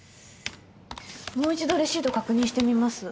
もう一度レシート確認してみます。